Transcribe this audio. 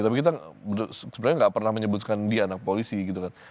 tapi kita sebenarnya nggak pernah menyebutkan dia anak polisi gitu kan